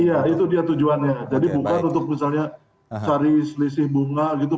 iya itu dia tujuannya jadi bukan untuk misalnya cari selisih bunga gitu